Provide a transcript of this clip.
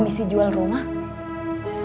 sebesar apa juga ternyata